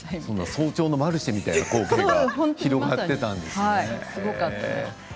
早朝のマルシェみたいな光景が広がっていたんですね。